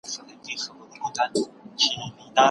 د پردیو خلوتونو په تیارو کي به ښخیږي